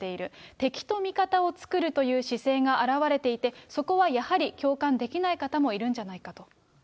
敵と味方を作るという姿勢が表れていて、そこはやはり、共感できない方もいるんじゃないかと。